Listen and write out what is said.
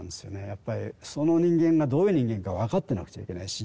やっぱりその人間がどういう人間か分かってなくちゃいけないし。